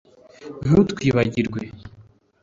Ntutwibagirwe